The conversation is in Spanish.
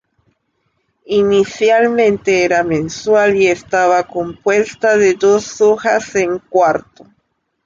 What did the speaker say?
Inicialmente era mensual y estaba compuesta de dos hojas en cuarto.